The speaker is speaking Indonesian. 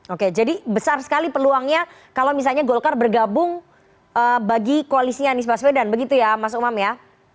oke jadi besar sekali peluangnya kalau misalnya golkar bergabung bagi koalisinya anies baswedan begitu ya mas umam ya